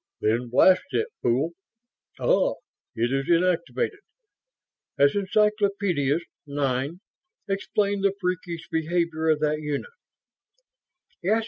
"Then blast it, fool! Ah, it is inactivated. As encyclopedist, Nine, explain the freakish behavior of that unit."